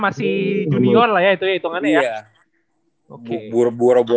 masih junior lah itu yang hitungan ya